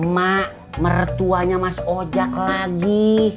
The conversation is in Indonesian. mak mertuanya mas ojak lagi